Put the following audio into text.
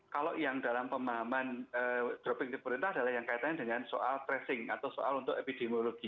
kalau yang dalam pemahaman dropping di pemerintah adalah yang kaitannya dengan soal tracing atau soal untuk epidemiologi